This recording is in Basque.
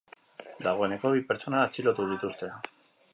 Dagoeneko, bi pertsona atxilotu dituzte.